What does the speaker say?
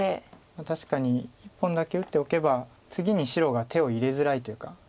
確かに１本だけ打っておけば次に白が手を入れづらいというか。